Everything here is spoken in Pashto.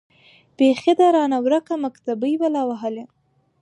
بيـخي ده رانـه وركه مــكتبۍ بــلا وهــلې.